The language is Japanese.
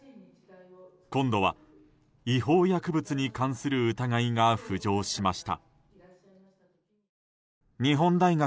今度は違法薬物に関する疑いが浮上しました。